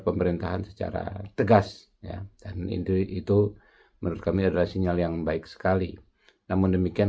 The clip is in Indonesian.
pemerintahan secara tegas ya dan itu itu menurut kami adalah sinyal yang baik sekali namun demikian